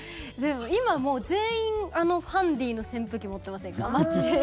今、全員、ハンディーの扇風機持ってませんか、街で。